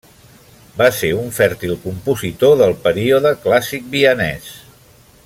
Va ser un fèrtil compositor del període clàssic vienès.